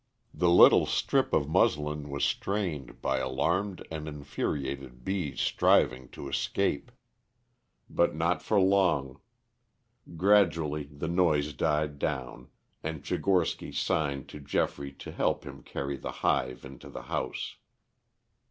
The little strip of muslin was strained by alarmed and infuriated bees striving to escape. But not for long. Gradually the noise died down, and Tchigorsky signed to Geoffrey to help him carry the hive into the house.